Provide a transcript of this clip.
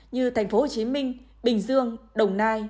như tp hcm bình dương đồng nam